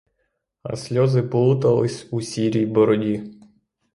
А сльози плутались у сірій бороді.